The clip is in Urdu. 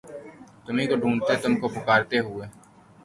تمہی کو ڈھونڈتے تم کو پکارتے ہوئے دن